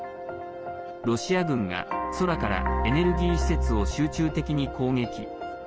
ロシア軍が、空からエネルギー施設を集中的に攻撃。